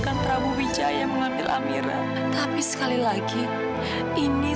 soalnya semalam saya gak tugas disini